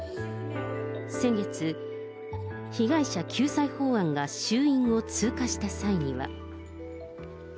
先月、被害者救済法案が衆院を通過した際には。